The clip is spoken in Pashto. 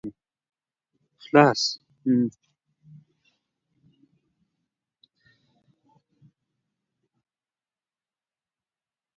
هم له خپلو هم پردیو ظالمانو